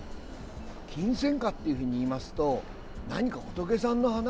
キンセンカっていうふうにいいますと、何か、仏さんの花。